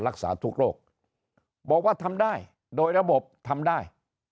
รักษาทุกโรคบอกว่าทำได้โดยระบบทำได้